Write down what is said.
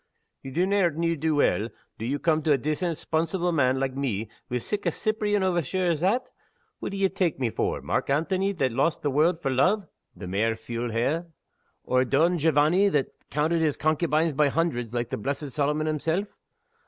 "Ye donnert ne'er do weel, do you come to a decent, 'sponsible man like me, wi' sic a Cyprian overture as that? What d'ye tak' me for? Mark Antony that lost the world for love (the mair fule he!)? or Don Jovanny that counted his concubines by hundreds, like the blessed Solomon himself?